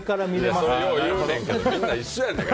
それ、よう言うねんけどみんな一緒やねん！